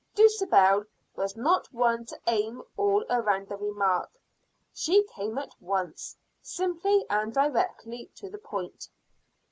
Dulcibel, was not one to aim all around the remark; she came at once, simply and directly to the point.